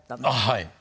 はい。